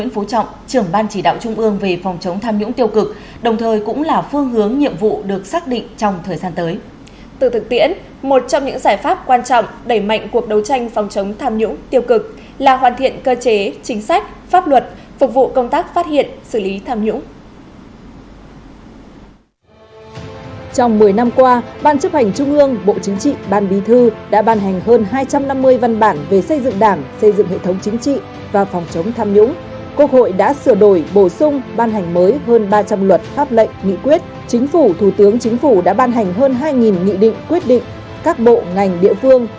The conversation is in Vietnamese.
phòng chống tham nhũng tiêu cực là hoàn thiện cơ chế chính sách pháp luật phục vụ công tác phát hiện xử lý tham nhũng